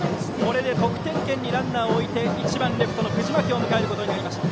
得点圏にランナーを置いて１番の藤巻を迎えることになりました。